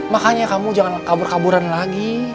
makanya kamu jangan kabur kaburan lagi